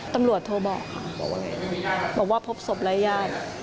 ตำรวจโทรบอกค่ะบอกว่าพบศพรายญาติ